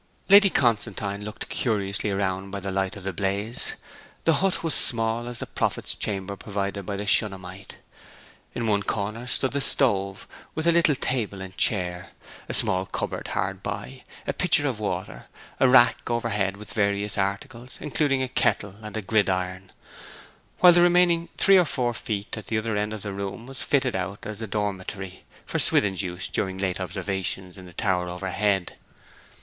Lady Constantine looked curiously around by the light of the blaze. The hut was small as the prophet's chamber provided by the Shunammite: in one corner stood the stove, with a little table and chair, a small cupboard hard by, a pitcher of water, a rack overhead, with various articles, including a kettle and a gridiron; while the remaining three or four feet at the other end of the room was fitted out as a dormitory, for Swithin's use during late observations in the tower overhead.